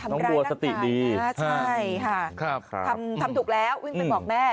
น้องบัวสติดีใช่ฮะครับครับทำทำถูกแล้ววิ่งไปบอกแม่